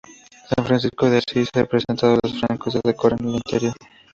San Francisco de Asís está representado en los frescos que decoran el interior.